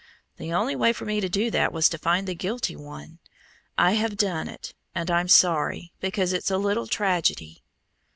The only way for me to do that was to find the guilty one. I have done it, and I'm sorry, because it's a little tragedy."